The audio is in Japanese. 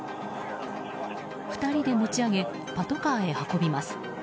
２人で持ち上げパトカーへ運びます。